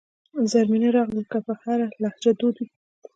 زرمینه راغلل که په هره لهجه دود وي.